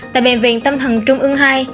tại bệnh viện tâm thần trung ương ii